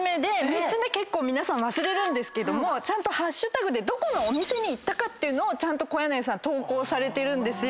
３つ目結構皆さん忘れるんですけどちゃんとハッシュタグでどこのお店に行ったかっていうのを小柳さん投稿されてるんですよ。